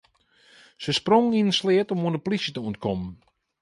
Se sprongen yn in sleat om oan de polysje te ûntkommen.